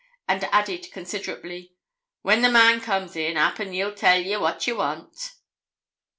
And added considerately 'When the man comes in, 'appen he'll tell ye what ye want.'